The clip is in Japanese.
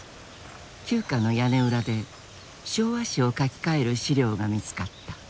旧家の屋根裏で昭和史を書き換える資料が見つかった。